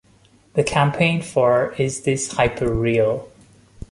The campaign for Is This Hyperreal?